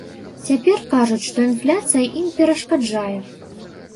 Цяпер кажуць, што інфляцыя ім перашкаджае.